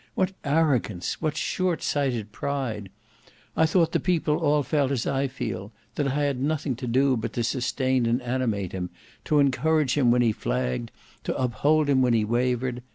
What arrogance! What short sighted pride! I thought the People all felt as I feel; that I had nothing to do but to sustain and animate him; to encourage him when he flagged, to uphold him when he wavered.